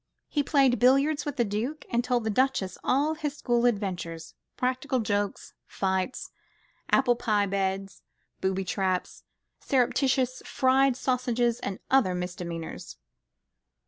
He played billiards with the Duke, and told the Duchess all his school adventures, practical jokes, fights, apple pie beds, booby traps, surreptitious fried sausages, and other misdemeanours.